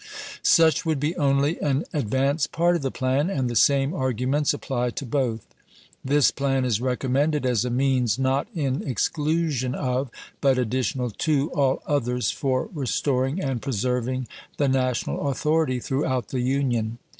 Such would be only an ad vance part of the plan, and the same arguments apply to both. This plan is recommended as a means, not in exclusion of, but additional to, all others for restoring and preserving the national authority throughout the Union.